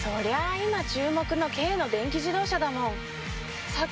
今注目の軽の電気自動車だもん。